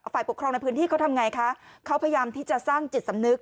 ฝ่ายปกครองในพื้นที่เขาทำไงคะเขาพยายามที่จะสร้างจิตสำนึก